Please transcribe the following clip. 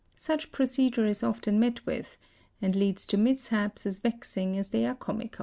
Suc procedure is often met with and leads to mishaps as vexing as they are comical.